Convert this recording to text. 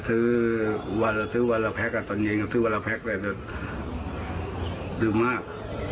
แกซื้อวันซื้อวันละแพ็กอ่ะสันเย็นก็ซื้อวันละแพ็กแกจะหยุดมาก